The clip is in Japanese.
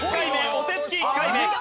お手つき１回目。